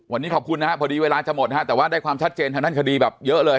วันนี้ขอบคุณนะฮะพอดีเวลาจะหมดนะฮะแต่ว่าได้ความชัดเจนทางด้านคดีแบบเยอะเลย